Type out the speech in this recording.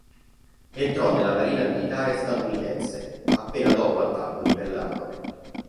Entrò nella Marina Militare statunitense appena dopo l'attacco di Pearl Harbor.